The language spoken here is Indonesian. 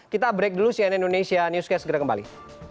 kita break dulu cnn indonesia newscast segera kembali